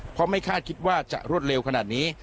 เพราะไม่คาดคิดว่าจะรวดเร็วขนาดนี้